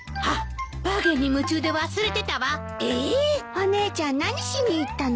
お姉ちゃん何しに行ったの？